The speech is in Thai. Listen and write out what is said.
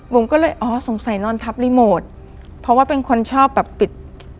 ผมก็เลยอ๋อสงสัยนอนทับรีโมทเพราะว่าเป็นคนชอบแบบปิด